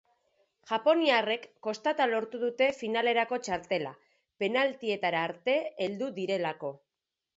Japoniarrek kostata lortu dute finalerako txartela, penaltietara arte heldu direlako.